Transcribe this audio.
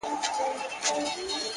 • ځم د جنون په زولنو کي به لیلا ووینم ,